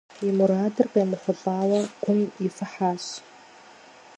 И мурадыр къемыхъулӏэурэ, гум ифыхьащ.